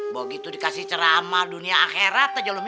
bukituh dikasih ceramah dunia akhirat aja lo mikir